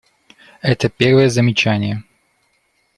Это первое замечание.